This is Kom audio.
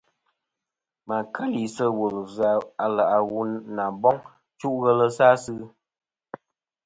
Ma keli sɨ wul vzɨ aleʼ a wu na boŋ chuʼ ghelɨ sa asɨ.